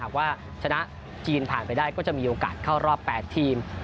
ว่าชนะจีนผ่านไปได้ก็จะมีโอกาสเข้ารอบ๘ทีม